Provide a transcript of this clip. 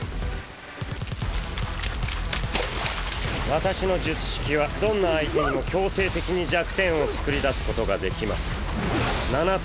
私の術式はどんな相手にも強制的に弱点を作り出すことができます。